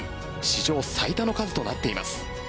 史上最多の数となっています。